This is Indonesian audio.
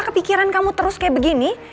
kepikiran kamu terus kayak begini